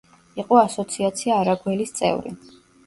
იყო ასოციაცია „არაგველის“ წევრი.